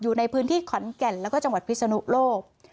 อยู่ในพื้นที่ขอนแก่นแล้วก็จังหวัดพิศนุโลก